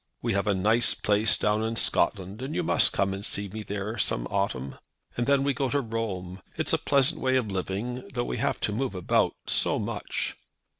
We have a nice place down in Scotland, and you must come and see me there some autumn. And then we go to Rome. It's a pleasant way of living, though we have to move about so much."